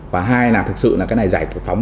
và hai là thực sự là cái này giải phóng